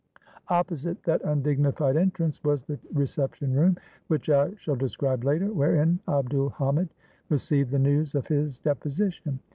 Op posite that undignified entrance was the reception room, which I shall describe later, wherein Abd ul Hamid received the news of his deposition.